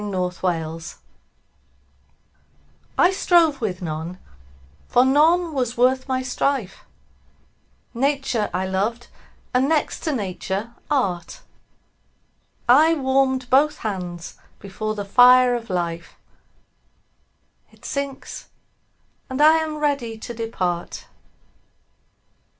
9 Autoplay I strove with none, for none was worth my strife: Nature I loved, and, next to Nature, Art: I warm'd both hands before the fire of Life; It sinks; and I am ready to depart.